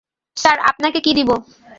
Sir, আপনাকে কী দিবো?